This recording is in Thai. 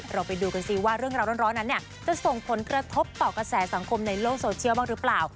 เราไปดูกันซิว่าเรื่องราวร้อนนั้นจะส่งผลกระทบต่อกระแสสังคมในโลกโซเชียลบ้างหรือเปล่า